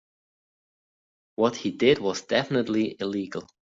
What he did was definitively illegal.